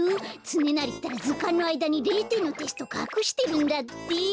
つねなりったらずかんのあいだに０てんのテストかくしてるんだって。